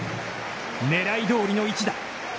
狙い通りの一打。